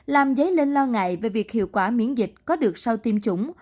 làm dấy lên lo ngại về việc hiệu quả miễn dịch có được sau tiêm chủng